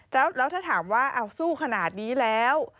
แล้วถ้าถามว่าสู้ขนาดนี้แล้ว